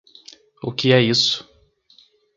O que é isso